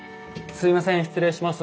すいません失礼します。